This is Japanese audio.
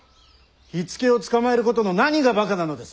火付けを捕まえることの何がバカなのです？